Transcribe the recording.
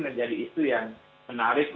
menjadi isu yang menarik